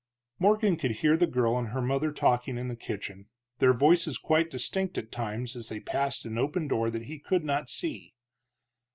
Morgan could hear the girl and her mother talking in the kitchen, their voices quite distinct at times as they passed an open door that he could not see.